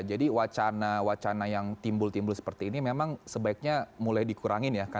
jadi wacana wacana yang timbul timbul seperti ini memang sebaiknya mulai dikurangin ya